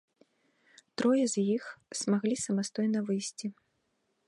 Трое з іх змаглі самастойна выйсці.